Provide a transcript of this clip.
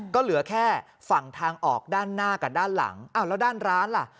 ก็เหลือแค่ฝั่งทางออกด้านหน้ากับด้านหลังอ้าวแล้วด้านร้านล่ะ